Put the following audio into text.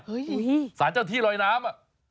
เฮ้ยสารเจ้าที่รอยน้ำ